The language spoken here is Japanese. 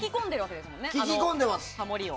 聴き込んでます。